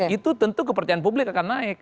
itu tentu kepercayaan publik akan naik